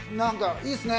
いいっすね。